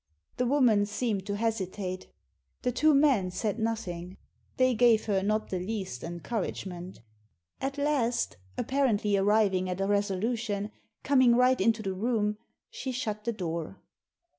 The woman seemed to hesitate. The two men said nothing. They gave her not the least en couragement At last, apparently arriving at a resolution, coming right into the room, she shut the door.